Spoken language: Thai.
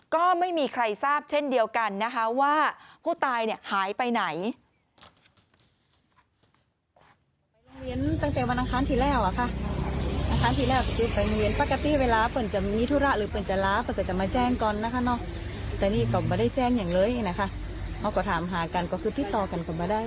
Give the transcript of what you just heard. ก็ไม่มีใครทราบเช่นเดียวกันนะคะว่าผู้ตายหายไปไหน